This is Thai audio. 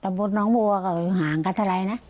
แต่พวกน้องบัวอยู่ห่างกันเท่าไรนะ